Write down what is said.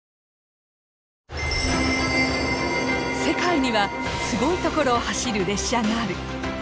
世界にはすごい所を走る列車がある。